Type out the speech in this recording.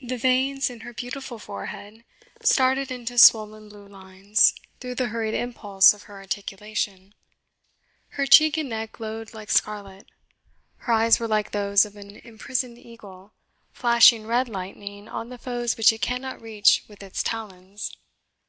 The veins in her beautiful forehead started into swoln blue lines through the hurried impulse of her articulation her cheek and neck glowed like scarlet her eyes were like those of an imprisoned eagle, flashing red lightning on the foes which it cannot reach with its talons.